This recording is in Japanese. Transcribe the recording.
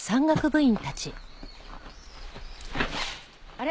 あれ？